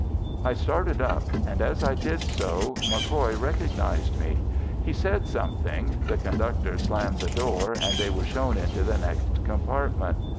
I started up, and as I did so MacCoy recognized me. He said something, the conductor slammed the door, and they were shown into the next compartment.